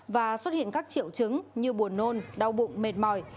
và xuất hiện các triệu chứng như buồn nôn đau bụng mệt mỏi